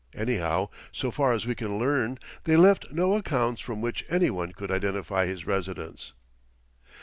Anyhow, so far as we can learn they left no accounts from which any one could identify his residence.